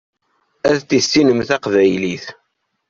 Ad tissinem taqbaylit.